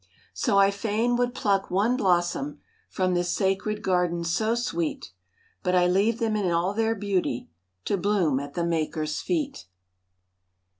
So I fain would pluck one blossom, From this sacred garden so sweet, But I leave them in all their beauty To bloom at the Maker's feet.